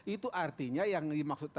itu artinya yang dimaksudkan